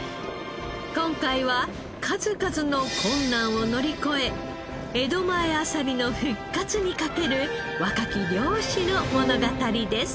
今回は数々の困難を乗り越え江戸前あさりの復活にかける若き漁師の物語です。